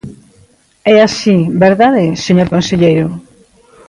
É así, ¿verdade, señor conselleiro?